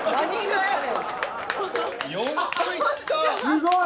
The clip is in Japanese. すごい。